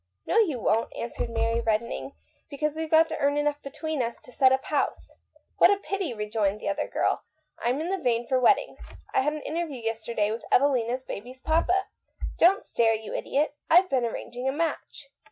" No, you won't," answered Mary, redden ing, "because weVe got to earn enough between us to set up house." " Pooh," rejoined the other girl. " I'm in the vein for weddings. I had an interview yesterday with Evelina's baby's papa. Don't stare, you idiot. I've been arranging a match."